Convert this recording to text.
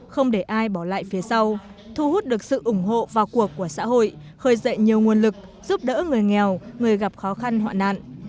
không để ai bỏ lại phía sau thu hút được sự ủng hộ vào cuộc của xã hội khơi dậy nhiều nguồn lực giúp đỡ người nghèo người gặp khó khăn hoạn nạn